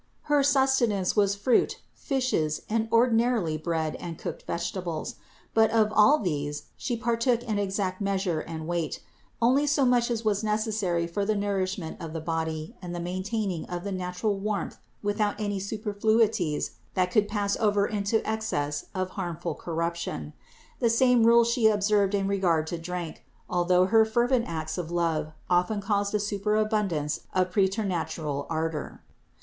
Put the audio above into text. Her sustenance was fruit, fishes, and ordinarily bread and cooked vegetables; but of all these She partook in exact measure and weight, only so much as was necessary for the nourishment of the body and the maintaining of the natural warmth without any superfluities that could pass over into excess of harmful corruption ; the same rule She observed in regard to drink, although Her fervent acts of love often caused a superabundance of preternatural ardor.